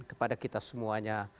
kepada kita semuanya